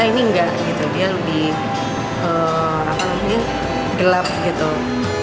bagaimana anda penasaran tidak ada salahnya mencoba memasaknya di rumah